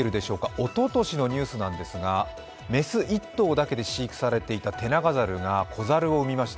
おととしのニュースなんですが雌１頭だけで飼育されていたテナガサルが子猿を産みました。